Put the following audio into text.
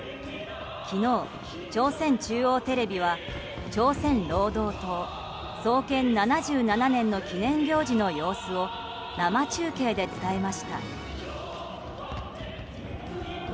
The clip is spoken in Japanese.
昨日、朝鮮中央テレビは朝鮮労働党創建７７年の記念行事の様子を生中継で伝えました。